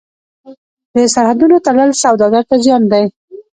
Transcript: د سرحدونو تړل سوداګر ته زیان دی.